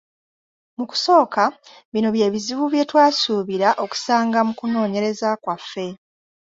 "Mu kusooka, bino bye bizibu bye twasuubira okusanga mu kunoonyereza kwaffe."